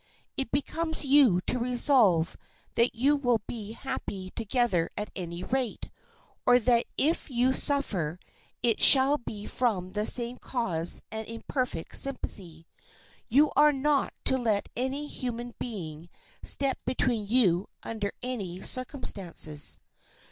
It becomes you to resolve that you will be happy together at any rate, or that if you suffer it shall be from the same cause and in perfect sympathy. You are not to let any human being step between you under any circumstances.